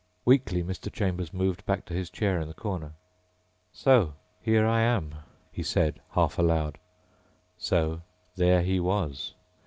Weakly Mr. Chambers moved back to his chair in the corner. "So here I am," he said, half aloud. So there he was.